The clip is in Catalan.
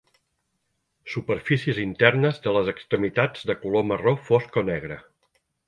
Superfícies internes de les extremitats de color marró fosc o negre.